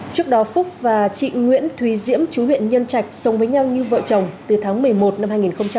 trước đó phúc và chị nguyễn thùy diễm chú huyện nhân trạch sống với nhau như vợ chồng từ tháng một mươi một năm hai nghìn một mươi ba